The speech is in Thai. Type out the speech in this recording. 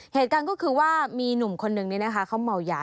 เหตุกันก็คือว่ามีหนุ่มคนนึงนี่นะคะเขาเมาหยา